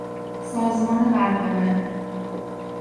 سازمان برنامه